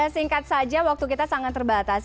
singkat saja waktu kita sangat terbatas